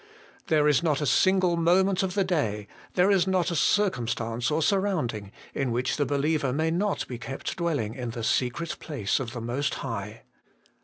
There is not a single moment of the day, there is not a circumstance or surrounding, in which the be liever may not be kept dwelling in the secret place of the Most High.